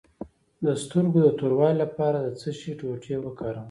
د سترګو د توروالي لپاره د څه شي ټوټې وکاروم؟